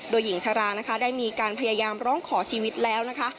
โดยหญิงชรานะคะได้มีการพยายามร้องขอชีวิตแล้วนะคะ